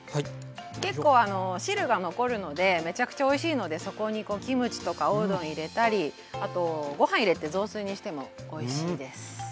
結構汁が残るのでめちゃくちゃおいしいのでそこにキムチとかおうどん入れたりあとご飯入れて雑炊にしてもおいしいです。